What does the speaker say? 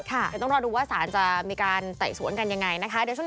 เดี๋ยวต้องรอดูว่าสารจะมีการไต่สวนกันยังไงนะคะ